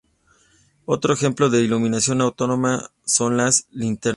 Otro ejemplo de iluminación autónoma son las linternas.